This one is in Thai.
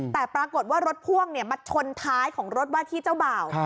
แต่ปรากฏว่ารถพ่วงมาชนท้ายของรถว่าที่เจ้าบ่าว